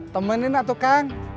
temenin lah tukang